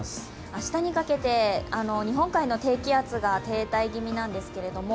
明日にかけて日本海の低気圧が停滞気味なんですけれども